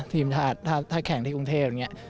ทีมชาติถ้าแข่งที่กรุงเทพอย่างนี้